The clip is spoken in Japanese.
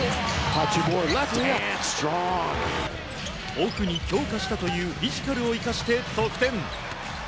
オフに強化したというフィジカルを生かして得点。